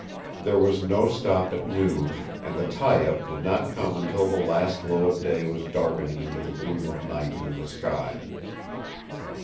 There was no stop at noon, and the tie up did not come until the last glow of day was darkening into the gloom of night in the sky.